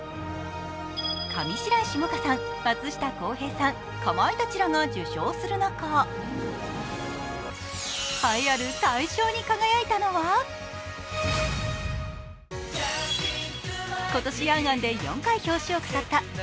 上白石萌歌さん、松下洸平さん、かまいたちらが受賞する中、栄えある大賞に輝いたのは今年「ａｎ・ａｎ」で４回表紙を飾ったＨｅｙ！